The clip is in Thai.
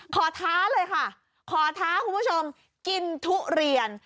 ท้าเลยค่ะขอท้าคุณผู้ชมกินทุเรียน